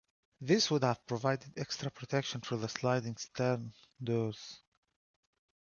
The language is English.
This would have provided extra protection for the sliding stern doors.